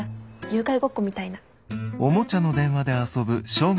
誘拐ごっこみたいな。